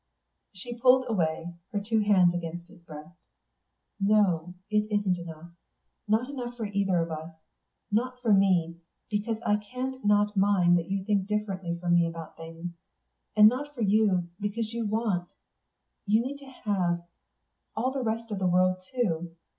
She pulled away, her two hands against his breast. "No, it isn't enough. Not enough for either of us. Not for me, because I can't not mind that you think differently from me about things. And not for you, because you want you need to have all the rest of the world too.